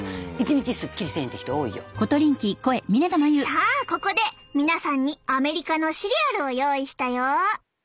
さあここで皆さんにアメリカのシリアルを用意したよ。